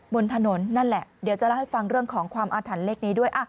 บนถนนนั่นแหละเดี๋ยวจะเล่าให้ฟังเรื่องของความอาถรรพ์เลขนี้ด้วย